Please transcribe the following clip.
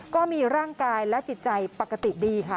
ก็มีร่างกายและจิตใจปกติดีค่ะ